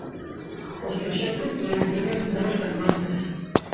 Os proxectos deben ser presentados canto antes.